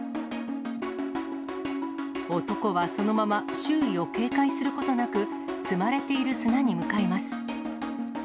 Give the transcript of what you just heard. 男はそのまま、周囲を警戒することなく、積まれている砂に向かいます。